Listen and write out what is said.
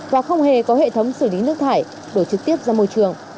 và không hề có hệ thống xử lý nước thải đổ trực tiếp ra môi trường